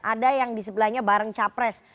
ada yang di sebelahnya bareng capres